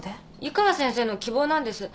湯川先生の希望なんです。